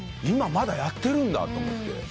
今まだやってるんだと思って。